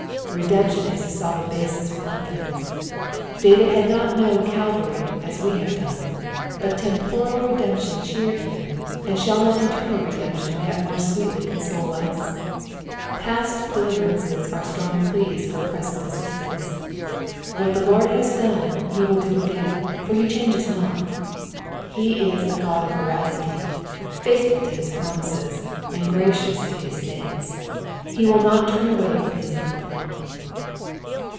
''' Redemption is a solid basis for confidence. David had not known Calvary as we have done, but temporal redemption cheered him ; and shall not eternal redemption yet more sweetly console us I Past deliverances are strong pleas for present assistance. What the Lord hss done he will do again, for he chail^eB not. He is a God of veracity, faithful to his promises, and gracious to his saints ; he will not turn away from bis people.